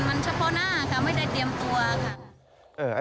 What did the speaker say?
มันเฉพาะหน้าค่ะไม่ได้เตรียมตัวค่ะ